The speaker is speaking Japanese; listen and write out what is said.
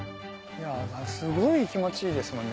すごい気持ちいいですもんね。